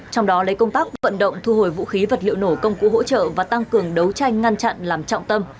trong đó lấy công tác vận động thu hồi vũ khí vật liệu nổ công cụ hỗ trợ và tăng cường đấu tranh ngăn chặn làm trọng tâm